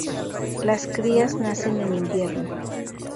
Las crías nacen en invierno.